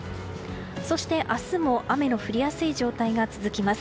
そして、明日も雨の降りやすい状態が続きます。